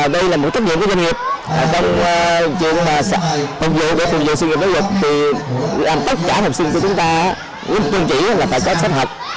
để đảm bảo học sinh của chúng ta em đã học cũng được đã được sách học